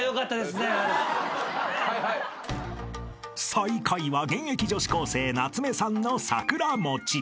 ［最下位は現役女子高生夏目さんの「桜もち」］